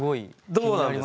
どうなんですか？